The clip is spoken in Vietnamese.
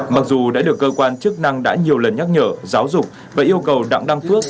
mặc dù đã được cơ quan chức năng đã nhiều lần nhắc nhở giáo dục và yêu cầu đặng đăng phước